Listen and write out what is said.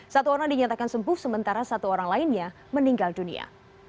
satu orang dinyatakan sembuh sementara satu orang lainnya meninggal dunia